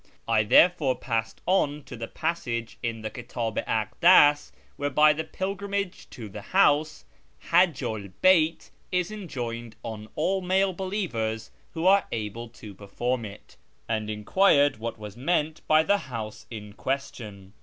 I therefore passed on to the passage in the Kildh i Ahdus wherein the " Pilgrimage to the House " {Hajju 'l Bcyt) is en joined on all male believers who are able to perform it, and enquired what was meant by " the House " in question.